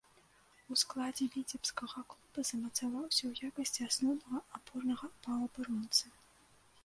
У складзе віцебскага клуба замацаваўся ў якасці асноўнага апорнага паўабаронцы.